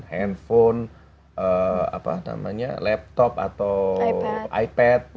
handphone laptop atau ipad